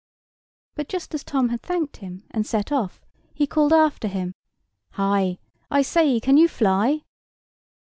But just as Tom had thanked him and set off, he called after him: "Hi! I say, can you fly?"